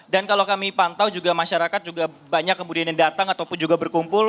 dan kalau kami pantau juga masyarakat juga banyak kemudian yang datang ataupun juga berkumpul